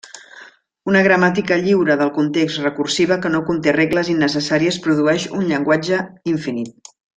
Una gramàtica lliure del context recursiva que no conté regles innecessàries produeix un llenguatge infinit.